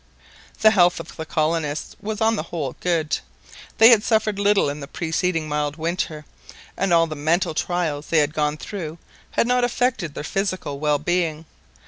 The health of the colonists was on the whole good. They had suffered little in the preceding mild winter, and all the mental trials they had gone through had not affected their physical well being.